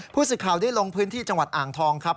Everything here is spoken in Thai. ผู้สื่อข่าวได้ลงพื้นที่จังหวัดอ่างทองครับ